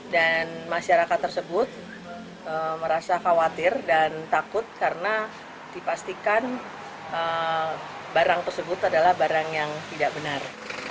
dan masyarakat tersebut merasa khawatir dan takut karena dipastikan barang tersebut adalah barang yang tidak benar